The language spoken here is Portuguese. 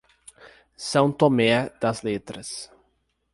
São Tomé das Letras